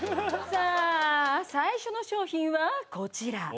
さあ最初の商品はこちら。